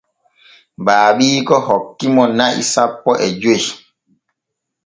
Baabiiko hoki mo na'i sanpo e joy.